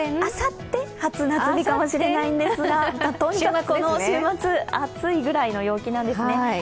あさって初夏日かもしれないんですが、とにかくこの週末、暑いくらいの陽気なんですね。